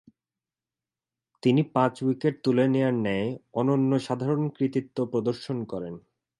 তিনি পাঁচ উইকেট তুলে নেয়ার ন্যায় অনন্য সাধারণ কৃতিত্ব প্রদর্শন করেন।